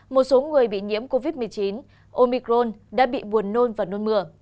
một số người bị nhiễm covid một mươi chín omicron đã bị buồn nôn và nôn mửa